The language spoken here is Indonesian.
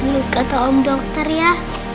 dulu kata om dokter ya